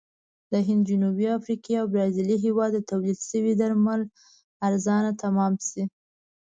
د هند، جنوبي افریقې او برازیل هېواد تولید شوي درمل ارزانه تمام شي.